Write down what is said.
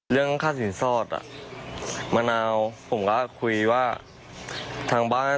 เรื่องค่าสินสอดมะนาวผมก็คุยว่า